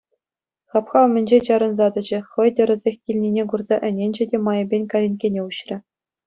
Хапха умӗнче чарӑнса тӑчӗ, хӑй тӗрӗсех килнине курса ӗненчӗ те майӗпен калинккене уҫрӗ.